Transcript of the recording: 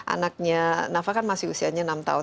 anaknya nafa kan masih usianya enam tahun